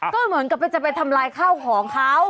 ก็เหมือนกับจะไปทำลายข้าวของเขา